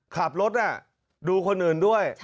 ขับรถดูคนอื่นด้วย